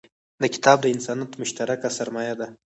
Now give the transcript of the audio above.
دا کتاب د انسانیت مشترکه سرمایه ده.